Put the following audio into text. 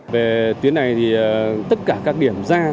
về tuyến này thì tất cả các điểm ra